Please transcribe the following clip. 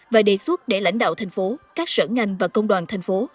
và đề xuất để lãnh đạo thành phố các sở ngành và công đoàn thành phố